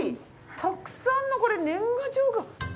たくさんのこれ年賀状が。